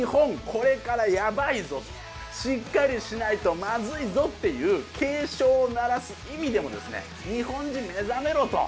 これからヤバいぞとしっかりしないとまずいぞっていう警鐘を鳴らす意味でもですね日本人目覚めろ！と。